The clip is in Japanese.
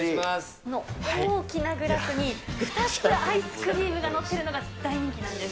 この大きなグラスに２つアイスクリームが載ってるのが大人気です。